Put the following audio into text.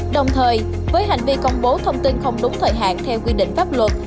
đồng thời với hành vi công bố thông tin không đúng thời hạn theo quy định pháp luật